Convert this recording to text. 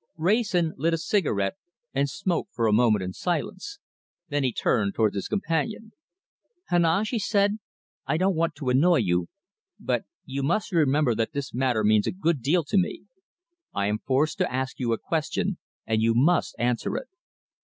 Wrayson lit a cigarette and smoked for a moment in silence. Then he turned towards his companion. "Heneage," he said, "I don't want to annoy you, but you must remember that this matter means a good deal to me. I am forced to ask you a question, and you must answer it.